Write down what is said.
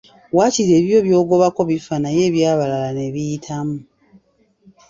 Wakiri ebibyo byogobako bifa naye ebyabalala ne biyitamu